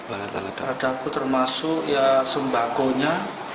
alat alat dapur termasuk sembakonya